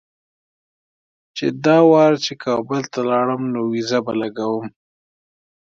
چې دا وار چې کابل ته لاړم نو ویزه به لګوم.